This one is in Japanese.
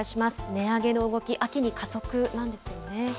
値上げの動き、秋に加速なんです